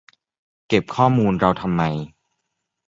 เก็บข้อมูลเราทำไม ?